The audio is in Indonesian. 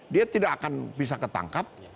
dia tidak akan bisa ketangkap